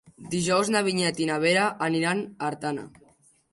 Dijous na Vinyet i na Vera aniran a Artana.